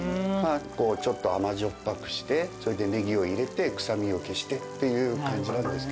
ちょっと甘じょっぱくしてそれでネギを入れて臭みを消してっていう。